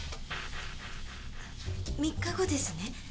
３日後ですね